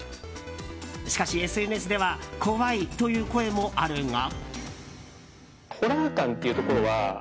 しかし、ＳＮＳでは怖いという声もあるが。